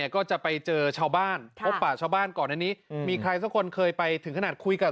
ก็จะไปเจอชาวบ้านพบป่าชาวบ้านก่อนอันนี้มีใครสักคนเคยไปถึงขนาดคุยกับ